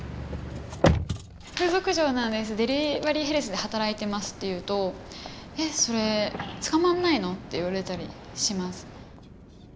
「風俗嬢なんですデリバリーヘルスで働いてます」って言うと「えっそれ捕まんないの？」って言われたりします。